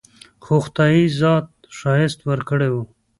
خو خداى ذاتي ښايست وركړى و.